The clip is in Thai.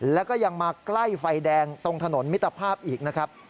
แล้วก็ยังมาใกล้ไฟแดงตรงถนนมิตรภาพอีกนะครับ